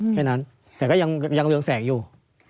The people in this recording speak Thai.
แค่นั้นแต่ก็ยังเรืองแสงอยู่